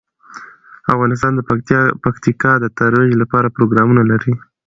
افغانستان د پکتیکا د ترویج لپاره پروګرامونه لري.